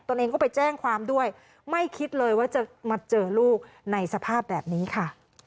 ตัวเองก็ไปแจ้งความด้วยไม่คิดเลยว่าจะมาเจอลูกในสภาพแบบนี้ค่ะ